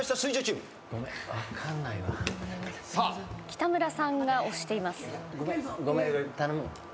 北村さんが押しています。